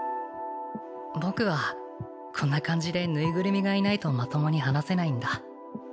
僕はこんな感じでぬいぐるみがいないとまともに話せないんだ